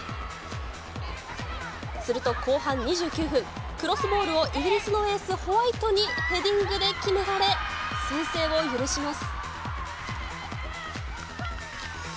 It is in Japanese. すると、後半２９分、クロスボールをイギリスのエース、ホワイトにヘディングで決められ、先制を許します。